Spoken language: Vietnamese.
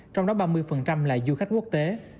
trong đó ba mươi là du khách quốc tế